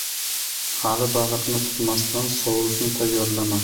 • Hali baliqni tutmasdan sousni tayyorlama.